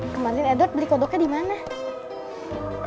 kemarin edward beli kodoknya dimana